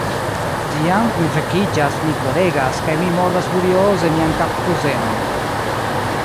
Tiam, mi vekiĝas, mi ploregas, kaj mi mordas furioze mian kapkusenon.